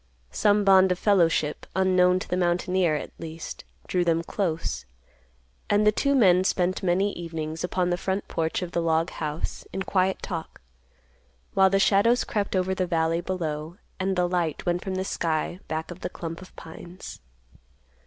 Some bond of fellowship, unknown to the mountaineer, at least, drew them close, and the two men spent many evenings upon the front porch of the log house in quiet talk, while the shadows crept over the valley below; and the light went from the sky back of the clump of pines.